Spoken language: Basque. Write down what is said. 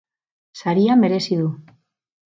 Saria merezi du